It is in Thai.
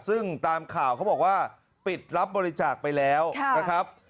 ซึ่งตามข่าวเขาบอกว่าปิดรับบริจาคไปแล้วนะครับ